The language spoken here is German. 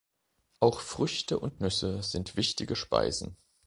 Auch Früchte und Nüsse sind wichtige Speisen.